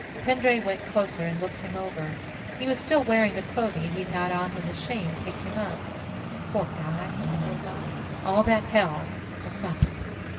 Pendray went closer and looked him over. He was still wearing the clothing he'd had on when the Shane picked him up. Poor guy, Pendray thought. _All that hell for nothing.